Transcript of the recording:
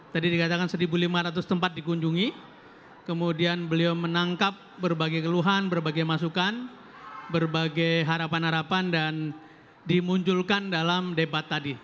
tadi dikatakan satu lima ratus tempat dikunjungi kemudian beliau menangkap berbagai keluhan berbagai masukan berbagai harapan harapan dan dimunculkan dalam debat tadi